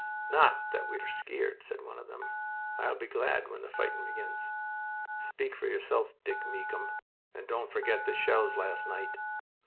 "Not that we're skeered," said one of them. "We'll be glad when the fighting begins." "Speak for yourself, Dick Meekcombe, and don't forget the shells last night."